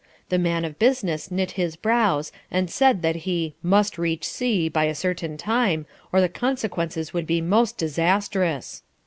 The man of business knit his brows and said that he "must reach C by a certain time or the consequences would be most disastrous."